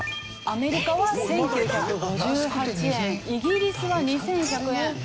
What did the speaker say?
アメリカは１９５８円イギリスは２１００円。